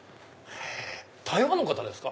台湾の方ですか？